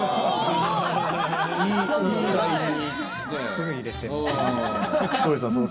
すぐ入れて。